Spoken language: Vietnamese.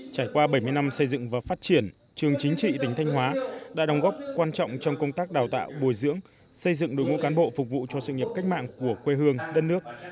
trải qua bảy mươi năm xây dựng và phát triển trường chính trị tỉnh thanh hóa đã đóng góp quan trọng trong công tác đào tạo bồi dưỡng xây dựng đội ngũ cán bộ phục vụ cho sự nghiệp cách mạng của quê hương đất nước